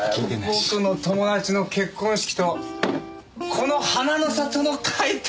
僕の友達の結婚式とこの花の里の開店